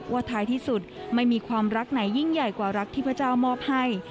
ท้ายที่สุดไม่มีความรักไหนยิ่งใหญ่กว่ารักที่พระเจ้ามอบให้